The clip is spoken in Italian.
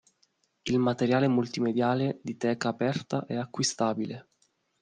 Il materiale multimediale di Teca aperta è acquistabile.